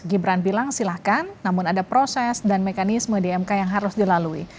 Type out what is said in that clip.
gibran bilang silahkan namun ada proses dan mekanisme di mk yang harus dilalui